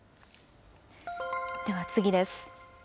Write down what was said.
では次です。